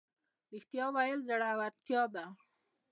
ریښتیا ویل زړورتیا ده